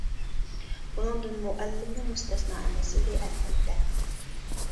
بۇنىڭدىن مۇئەللىممۇ مۇستەسنا ئەمەس ئىدى، ئەلۋەتتە.